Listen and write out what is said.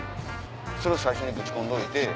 それ先にぶち込んどいて。